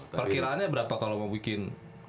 perkiraannya berapa kalau mau bikin